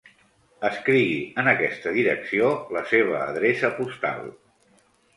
Escrigui en aquesta direcció la seva adreça postal.